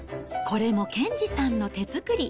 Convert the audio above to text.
これも兼次さんの手作り。